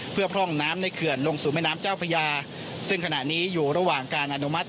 เพื่อพร่องน้ำในเขื่อนลงสู่แม่น้ำเจ้าพญาซึ่งขณะนี้อยู่ระหว่างการอนุมัติ